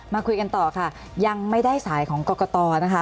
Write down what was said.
มาคุยกันต่อค่ะยังไม่ได้สายของกรกตนะคะ